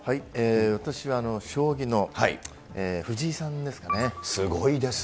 私は、将棋の藤井さんですかすごいですね。